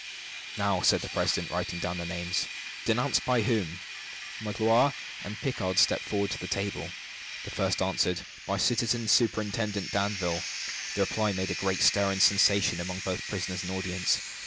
"Now," said the president, writing down their names. "Denounced by whom?" Magloire and Picard stepped forward to the table. The first answered "By Citizen Superintendent Danville." The reply made a great stir and sensation among both prisoners and audience.